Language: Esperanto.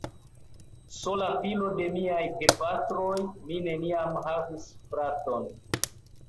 Sola filo de miaj gepatroj, mi neniam havis fraton.